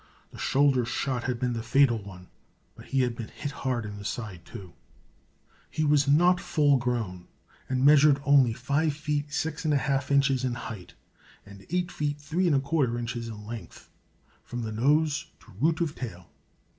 The shoulder shot had been the fatal one, but he had been hard hit in the side too. He was not full grown, and measured only 5 feet 6 1/2 inches in height, and 8 feet 3 1/4 inches in length, from the nose to root of tail.